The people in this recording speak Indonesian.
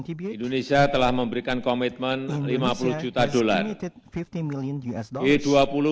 indonesia telah memberikan komitmen lima puluh juta dolar